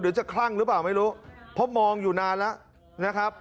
จะคลั่งหรือเปล่าไม่รู้เพราะมองอยู่นานแล้วนะครับ